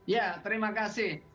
ya terima kasih